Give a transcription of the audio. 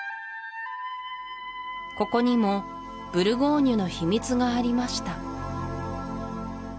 ここにもブルゴーニュの秘密がありました